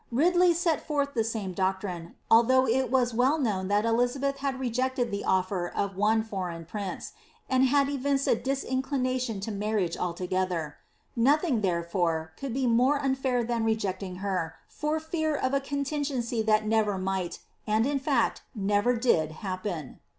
Ridley set forth the same doctrine, although it was well known that Elizabeth had rejected the ofier of one foreign prince, and had evinced a disinclination to omt riage altogether. Nothing, therefore, could be more unfiur than reject ing her, for fear of a contingency that never might, and ia fact never did, happen.